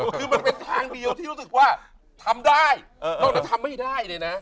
คือมันเป็นทางเดียวที่รู้สึกว่าทำได้นอกนั้นทำไม่ได้เลยนะ